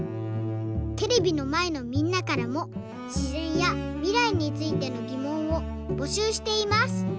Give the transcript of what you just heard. テレビのまえのみんなからもしぜんやみらいについてのぎもんをぼしゅうしています。